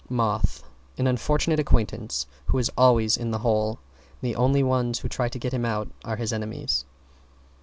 =MOTH= An unfortunate acquaintance who is always in the hole. And the only ones who try to get him out are his enemies.